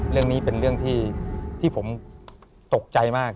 เรื่องนี้เป็นเรื่องที่ผมตกใจมาก